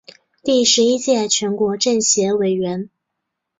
第十一届全国政协委员。